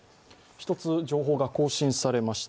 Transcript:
１つ、情報が更新されました。